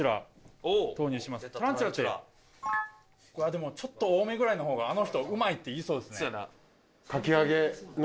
でもちょっと多めぐらいのほうがあの人うまいって言いそうですね